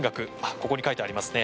ここに書いてありますね。